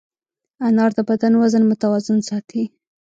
انار د بدن وزن متوازن ساتي.